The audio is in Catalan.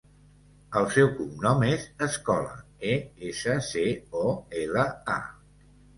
El seu cognom és Escola: e, essa, ce, o, ela, a.